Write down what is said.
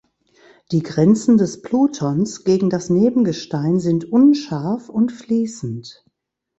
Die Grenzen des Plutons gegen das Nebengestein sind unscharf und fließend.